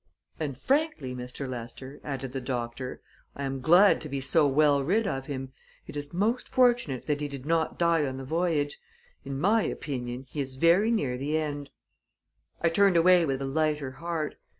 "And, frankly, Mr. Lester," added the doctor, "I am glad to be so well rid of him. It is most fortunate that he did not die on the voyage. In my opinion, he is very near the end." I turned away with a lighter heart.